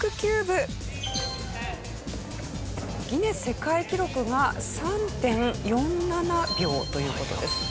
ギネス世界記録が３．４７秒という事です。